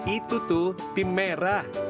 itu tuh tim merah